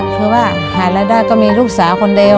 ภายละดาตก็มีลูกสาวคนเดียว